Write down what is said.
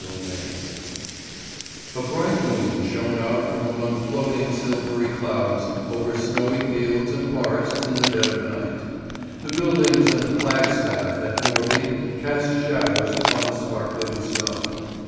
CHAPTER VII A BRIGHT moon shone out from among floating, silvery clouds, over snowy fields and forests in the dead of night. The buildings and the flagstaff at Norby cast shadows upon the sparkling snow.